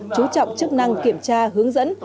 chú trọng chức năng kiểm tra hướng dẫn